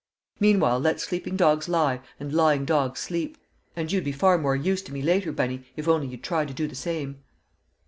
Meanwhile let sleeping dogs lie and lying dogs sleep! And you'd be far more use to me later, Bunny, if only you'd try to do the same."